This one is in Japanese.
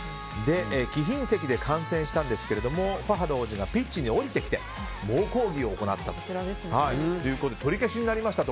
貴賓席で観戦したんですがファハド王子がピッチに降りてきて猛抗議を行ったということで得点が取り消しになりました。